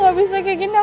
kamu harus ramah padanya